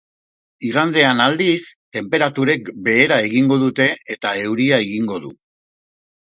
Igandean, aldiz, tenperaturek behera egingo dute eta euria egingo du.